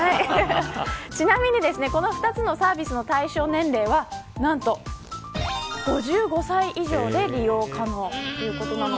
ちなみにこの２つのサービスの対象年齢は何と、５５歳以上で利用可能ということです。